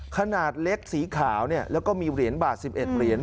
ขนาดเล็กสีขาวแล้วก็มีเหรียญบาท๑๑เหรียญ